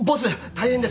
大変です！